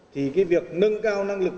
thì việc nâng cao năng lực